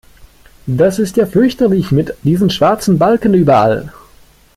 Das ist ja fürchterlich mit diesen schwarzen Balken überall!